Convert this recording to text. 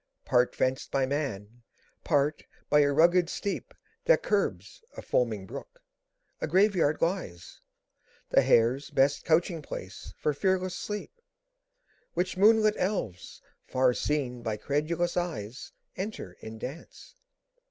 ] Part fenced by man, part by a rugged steep That curbs a foaming brook, a Grave yard lies; The hare's best couching place for fearless sleep; Which moonlit elves, far seen by credulous eyes, Enter in dance.